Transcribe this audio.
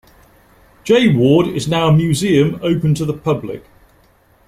J Ward is now a museum open to the public.